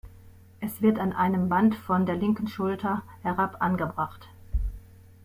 Es wird an einem Band von der linken Schulter herab angebracht.